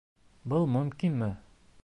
Был мөмкинме?